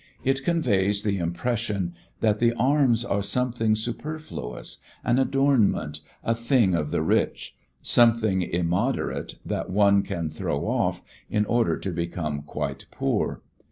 It conveys the impression that the arms are something superfluous, an adornment, a thing of the rich, something immoderate that one can throw off in order to become quite poor.